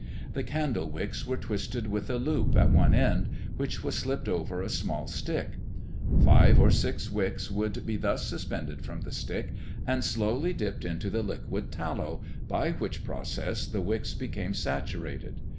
The candle wicks were twisted with a loop at one end, which was slipped over a small stick. Five or six wicks would be thus suspended from the stick and slowly dipped into the liquid tallow, by which process the wicks became saturated.